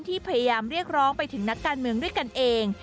พยายามเรียกร้องไปถึงนักการเมืองด้วยกันเอง